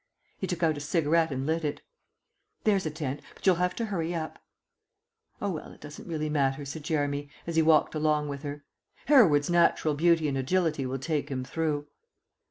He took out a cigarette and lit it. "There's a tent, but you'll have to hurry up." "Oh, well, it doesn't really matter," said Jeremy, as he walked along with her. "Hereward's natural beauty and agility will take him through."